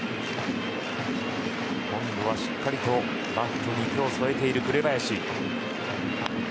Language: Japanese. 今度はしっかりとバットに手を添えた紅林。